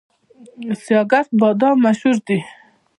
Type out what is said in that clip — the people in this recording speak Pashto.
سیاه ګرد بادام مشهور دي؟